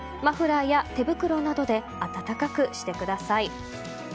マフラーや手袋などで暖かくしてください。